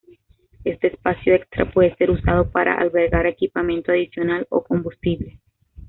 Este espacio extra puede ser usado para albergar equipamiento adicional o combustible.